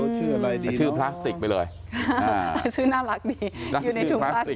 ชื่ออะไรดีชื่อพลาสติกไปเลยชื่อน่ารักดีอยู่ในถุงพลาสติก